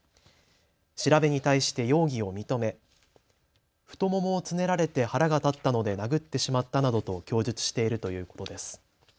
調べに対して容疑を認め太ももをつねられて腹が立ったので殴ってしまったなどと供述しているということです。